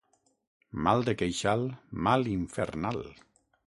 Mal de queixal, mal infernal.